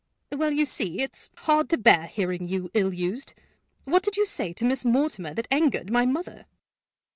"Well, you see it's hard to bear hearing you ill used! What did you say to Miss Mortimer that angered my mother?"